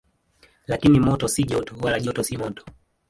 Lakini moto si joto, wala joto si moto.